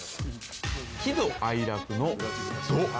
喜怒哀楽の怒。